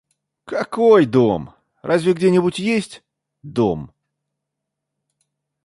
Какой дом, разве где-нибудь есть дом?